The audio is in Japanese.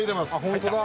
本当だ。